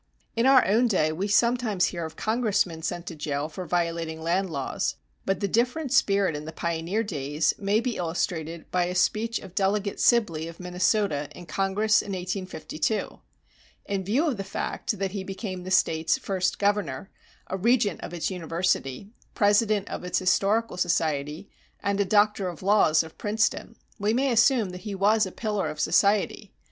In our own day we sometimes hear of congressmen sent to jail for violating land laws; but the different spirit in the pioneer days may be illustrated by a speech of Delegate Sibley of Minnesota in Congress in 1852. In view of the fact that he became the State's first governor, a regent of its university, president of its historical society, and a doctor of laws of Princeton, we may assume that he was a pillar of society.